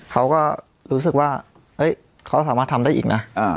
เขาก็รู้สึกว่าเฮ้ยเขาสามารถทำได้อีกนะ